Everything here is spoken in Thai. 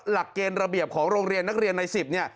หลักเกณฑ์ระเบียบของโรงเรียนนักเรียนใน๑๐เนี่ย